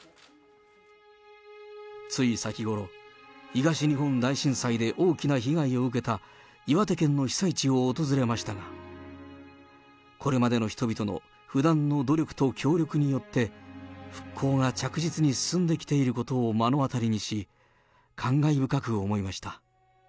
つい先ごろ、東日本大震災で大きな被害を受けた岩手県の被災地を訪れましたが、これまでの人々の不断の努力と協力によって、復興が着実に進んできていることを目の当たりにし、感慨深く思いました。